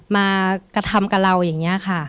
มากระทำกับเราอย่างนี้ค่ะ